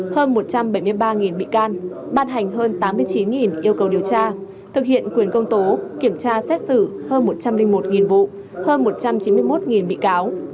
hơn một trăm bảy mươi ba bị can ban hành hơn tám mươi chín yêu cầu điều tra thực hiện quyền công tố kiểm tra xét xử hơn một trăm linh một vụ hơn một trăm chín mươi một bị cáo